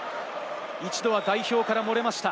一度は代表から漏れました。